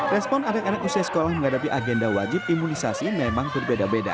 respon anak anak usia sekolah menghadapi agenda wajib imunisasi memang berbeda beda